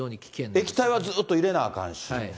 液体はずっと入れなあかんし。